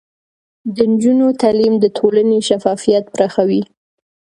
د نجونو تعليم د ټولنې شفافيت پراخوي.